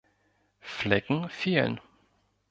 Flecken fehlen.